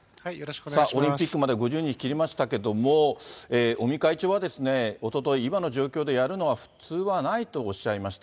オリンピックまで５０日切りましたけれども、尾身会長は、おととい、今の状況でやるのは普通はないとおっしゃいました。